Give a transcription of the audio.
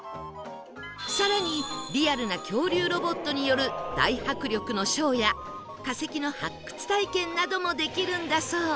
更にリアルな恐竜ロボットによる大迫力のショーや化石の発掘体験などもできるんだそう